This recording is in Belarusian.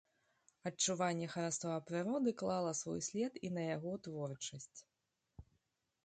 Адчуванне хараства прыроды клала свой след і на яго творчасць.